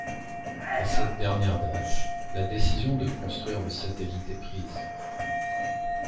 À cette dernière date, la décision de construire le satellite est prise.